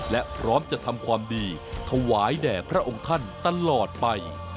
และพร้อมจะทำความดีถวายแด่พระองค์ท่านตลอดไป